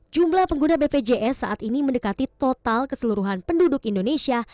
jumlah pengguna bpjs saat ini mendekati total keseluruhan penduduk indonesia